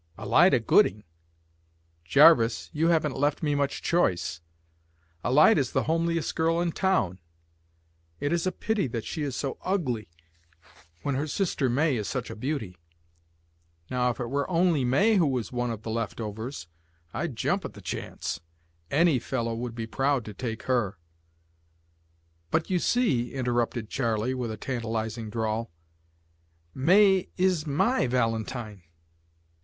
Alida Gooding! Jarvis, you haven't left me much choice. Alida's the homeliest girl in town. It is a pity that she is so ugly when her sister May is such a beauty. Now if it were only May who was one of the left overs, I'd jump at the chance. Any fellow would be proud to take her." "But you see," interrupted Charley, with a tantalising drawl, "May is my valentine.